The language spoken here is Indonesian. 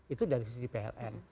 itu dari sisi pln